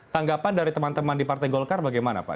tanggapan dari teman teman di partai golkar bagaimana pak